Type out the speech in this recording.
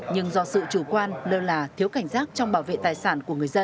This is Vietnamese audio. nhưng do sự chủ quan lơ là thiếu cảnh giác trong bảo vệ tài sản của người dân